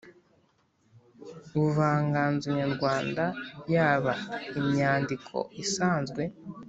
buvanganzo nyarwanda yaba imyandiko isanzwe,